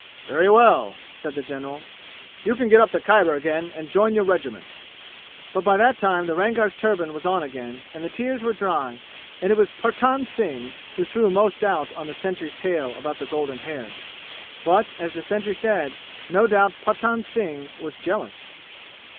"Very well," said the general. "You can get up the Khyber again and join your regiment."' But by that time the Rangar's turban was on again and the tears were dry, and it was Partan Singh who threw most doubt on the sentry's tale about the golden hair. But, as the sentry said, no doubt Partan Singh was jealous.